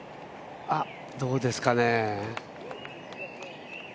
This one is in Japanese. あっ、どうですかね。